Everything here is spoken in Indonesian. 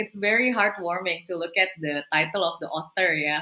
ini sangat menguatkan untuk melihatnya